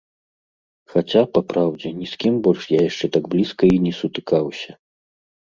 Хаця, па праўдзе, ні з кім больш я яшчэ так блізка і не сутыкаўся.